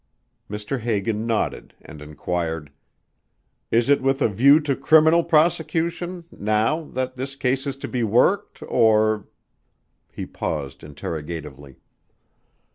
Mr. Hagan nodded, and inquired, "Is it with a view to criminal prosecution, now, that this case is to be worked or ?" He paused interrogatively.